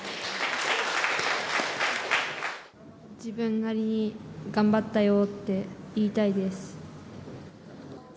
自分なりに頑張ったよって言いたいです。